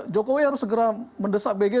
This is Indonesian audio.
jokowi harus segera mendesak bg